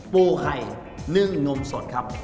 ปูไข่นึ่งนมสดครับ